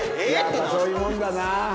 やっぱそういうもんだな。